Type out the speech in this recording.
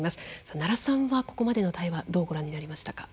奈良さんはここまでの対話どうご覧になりましたか。